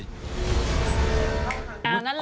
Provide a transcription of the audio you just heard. นั่นแหละคุณผู้ชมค่ะ